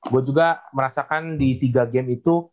gue juga merasakan di tiga game itu